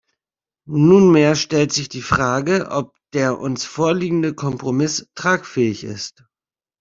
Nunmehr stellt sich die Frage, ob der uns vorliegende Kompromiss tragfähig ist.